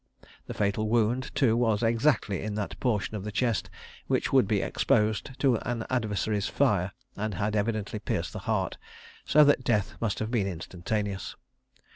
The fatal wound, too, was exactly in that portion of the chest which would be exposed to an adversary's fire, and had evidently pierced the heart, so that death must have been instantaneous.